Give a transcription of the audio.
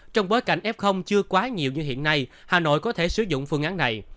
trong bối cảnh f chưa quá nhiều như hiện nay hà nội có thể sử dụng phương án này